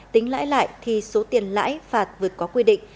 tính lãi lại thì số tiền lãi phạt vượt có quy định